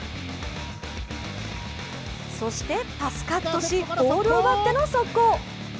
そして、パスカットしボールを奪っての速攻。